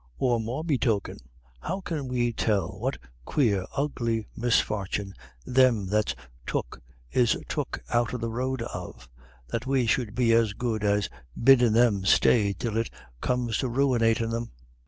Or, morebetoken, how can we tell what quare ugly misfortin' thim that's took is took out of the road of, that we should be as good as biddin' thim stay till it comes to ruinate them?